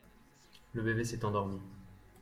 Le bébé s'est endormi.